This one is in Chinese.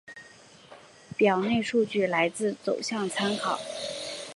表内数据来自走向参考